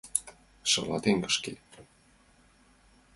Шалатен кышке!